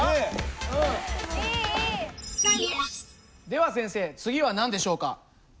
では先生次は何でしょうか？